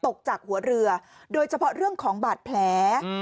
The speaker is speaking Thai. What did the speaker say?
ตกจากหัวเรือโดยเฉพาะเรื่องของบาดแผล